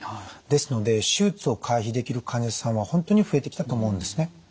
ですので手術を回避できる患者さんは本当に増えてきたと思うんですね。